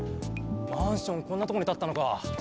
マンションこんなとこにたったのか！